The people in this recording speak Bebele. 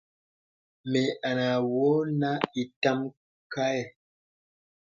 Mə awɔ̄ nə ìtam kaɛ̂.